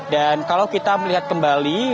dan kalau kita melihat kembali